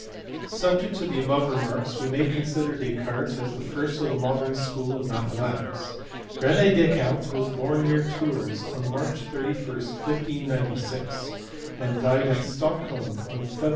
Subject to the above remarks we may con sider Descartes as the first of the modern school of mathe matics. Rene Descartes was born near Tours on March 31, 1596, and died at Stockholm on Feb.